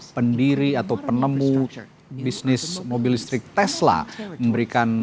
penelitian kemuliaan suny juni sering terjainkan